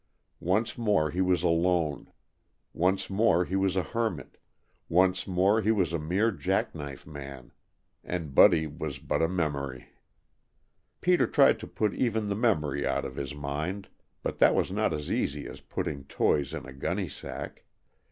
Once more he was alone; once more he was a hermit; once more he was a mere jack knife man, and Buddy was but a memory. Peter tried to put even the memory out of his mind, but that was not as easy as putting toys in a gunny sack.